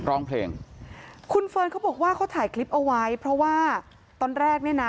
ร้องเพลงคุณเฟิร์นเขาบอกว่าเขาถ่ายคลิปเอาไว้เพราะว่าตอนแรกเนี่ยนะ